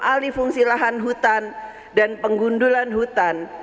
alih fungsi lahan hutan dan penggundulan hutan